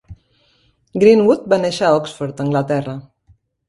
Greenwood va néixer a Oxford, Anglaterra.